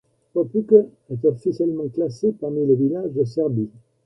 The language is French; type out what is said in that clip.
Popučke est officiellement classé parmi les villages de Serbie.